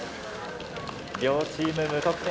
両チーム無得点。